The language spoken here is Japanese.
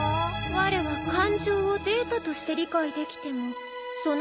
われは感情をデータとして理解できてもその実感までは分からぬ。